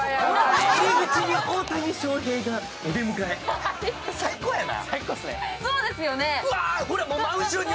大谷翔平がお出迎え、最高やな。